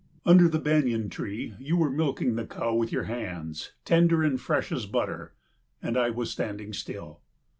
Under the banyan tree you were milking the cow with your hands, tender and fresh as butter. And I was standing still.